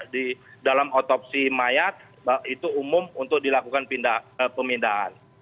di dalam otopsi mayat itu umum untuk dilakukan pemindahan